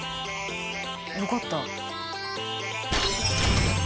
よかった。